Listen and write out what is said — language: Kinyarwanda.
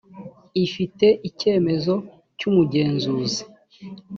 ifite icyemezo cy umugenzuzi